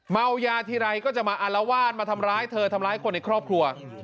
เมายาทีไรก็จะมาอารวาสมาทำร้ายเธอทำร้ายคนในครอบครัว